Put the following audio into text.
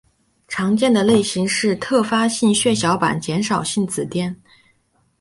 最常见的类型是特发性血小板减少性紫癜。